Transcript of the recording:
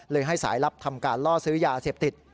ให้สายลับทำการล่อซื้อยาเสพติด